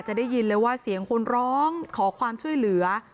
ได้ยินเลยว่าเสียงคนร้องขอความช่วยเหลือ